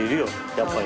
やっぱり。